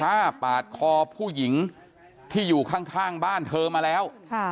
ฆ่าปาดคอผู้หญิงที่อยู่ข้างบ้านเธอมาแล้ว